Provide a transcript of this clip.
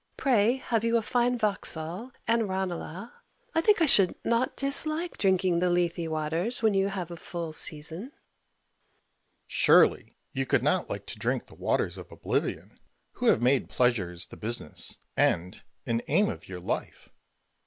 Pray have you a fine Vauxhall and Ranelagh? I think I should not dislike drinking the Lethe waters when you have a full season. Mercury. Surely you could not like to drink the waters of oblivion, who have made pleasure the business, end, and aim of your life!